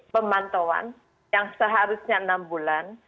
pemantauan yang seharusnya enam bulan